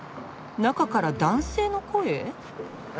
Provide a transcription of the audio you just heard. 中から男性の声？